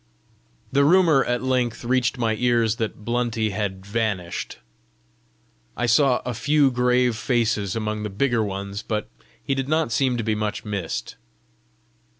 The rumour at length reached my ears that Blunty had vanished. I saw a few grave faces among the bigger ones, but he did not seem to be much missed.